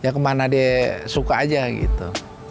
ya kemana dia suka aja gitu